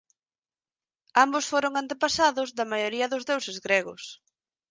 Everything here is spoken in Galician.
Ambos foron antepasados da maioría dos deuses gregos.